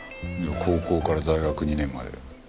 高校から大学２年まで。